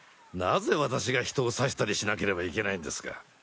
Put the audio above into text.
なぜ私が人を刺したりしなければいけないんですか？